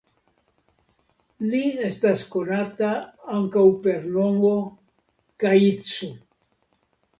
Li estas konata ankaŭ per nomo "Kaitsu".